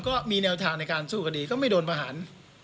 ก็มีแนวทางในการสู้คดีก็ไม่โดนประหาร